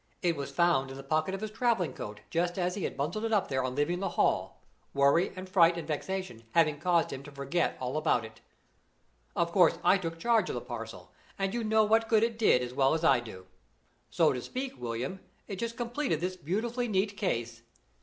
It was found in the pocket of his traveling coat just as he had huddled it up there on leaving the Hall, worry, and fright, and vexation, having caused him to forget all about it. Of course I took charge of the parcel, and you know what good it did as well as I do. So to speak, William, it just completed this beautifully neat case.